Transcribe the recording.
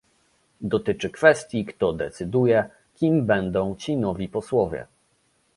Dotyczy kwestii, kto decyduje, kim będą ci nowi posłowie